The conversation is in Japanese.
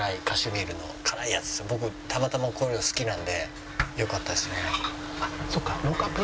僕たまたまこういうの好きなんでよかったですね。